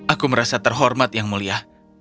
aku merasa terhormat yang mulia